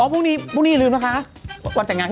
พรุ่งนี้ลืมนะคะวันแต่งงานที่เรื่องนี้นะ